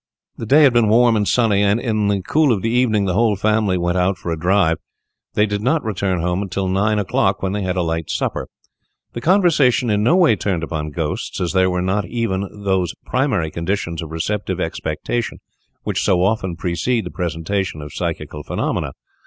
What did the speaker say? The day had been warm and sunny; and, in the cool of the evening, the whole family went out to drive. They did not return home till nine o'clock, when they had a light supper. The conversation in no way turned upon ghosts, so there were not even those primary conditions of receptive expectations which so often precede the presentation of psychical phenomena.